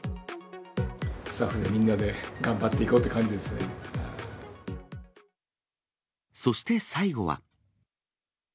スタッフみんなで、頑張ってそして最後は。